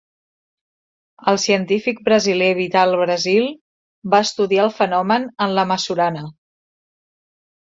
El científic brasiler Vital Brasil va estudiar el fenomen en la mussurana.